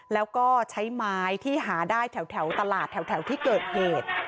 แล้วก็ใช้ไม้ที่หาได้แถวตลาดแถวที่เกิดเหตุ